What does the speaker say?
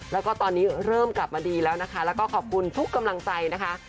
แล้วก็ตอนนี้เริ่มกลับมาดีแล้วนะคะแล้วก็ขอบคุณทุกกำลังใจนะคะ